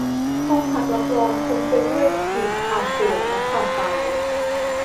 ห้องพักรับรองคลุ้งไปด้วยกลิ่นความป่วยและความตาย